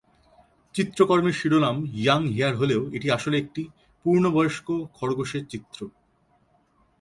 চিত্রকর্মের শিরোনাম "young hare" হলেও এটি আসলে একটি পূর্ণবয়স্ক খরগোশের চিত্র।